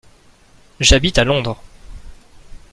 J’habite à Londres.